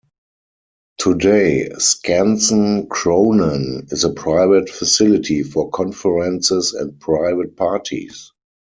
Today Skansen Kronan is a private facility for conferences and private parties.